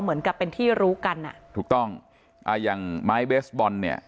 เหมือนกับเป็นที่รู้กันอ่ะถูกต้องอ่าอย่างไม้เบสบอลเนี่ย